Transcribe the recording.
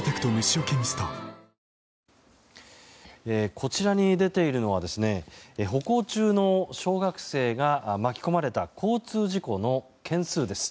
こちらに出ているのは歩行中の小学生が巻き込まれた交通事故の件数です。